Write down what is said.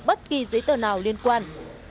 bất kỳ giấy tờ nào liên quan